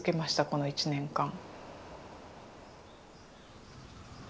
この１年間。